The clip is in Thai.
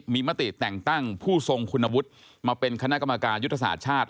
มีมติแต่งตั้งผู้ทรงคุณวุฒิมาเป็นคณะกรรมการยุทธศาสตร์ชาติ